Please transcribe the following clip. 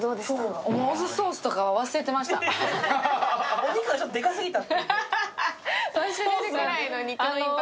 お肉がちょっとでかすぎた。